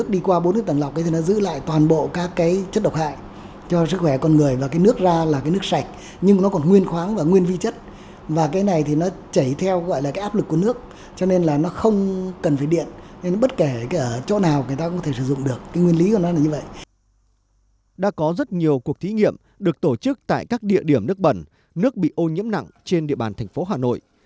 đã có rất nhiều cuộc thí nghiệm được tổ chức tại các địa điểm nước bẩn nước bị ô nhiễm nặng trên địa bàn thành phố hà nội